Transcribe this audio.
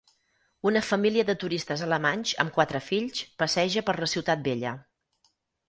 Una família de turistes alemanys amb quatre fills passeja per la Ciutat Vella.